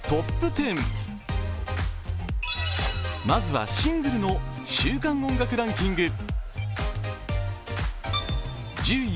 まずはシングルの週間音楽ランキング。